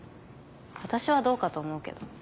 私はどうかと思うけど。